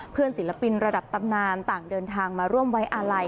ศิลปินระดับตำนานต่างเดินทางมาร่วมไว้อาลัย